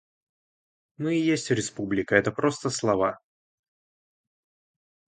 Мы и есть Республика, это просто слова.